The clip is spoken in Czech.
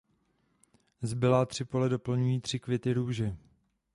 Zbylá tři pole doplňují tři květy růže.